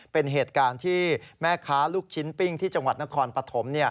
เป็นเหตุการณ์ที่แม่ค้าลูกชิ้นปิ้งที่จังหวัดนครปฐม